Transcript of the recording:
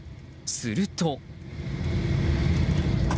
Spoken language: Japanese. すると。